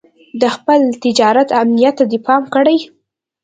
د خپل تجارت امنيت ته دې پام کړی.